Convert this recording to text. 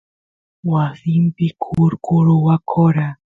wasampi kurku rwakora